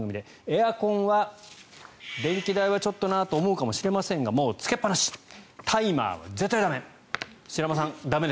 エアコンは電気代はちょっとなと思うかもしれませんがつけっぱなしタイマーは絶対駄目。